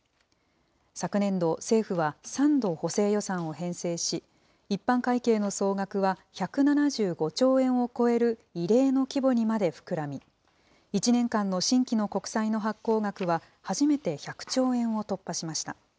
昨年度、政府は３度補正予算を編成し、一般会計の総額は１７５兆円を超える異例の規模にまで膨らみ、１年間の新規の国債の発行額は、初めて１００兆円を突破しました。